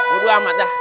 kudu amat dah